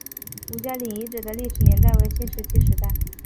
吴家岭遗址的历史年代为新石器时代。